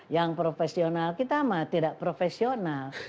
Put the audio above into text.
yang profesional kita mah tidak profesional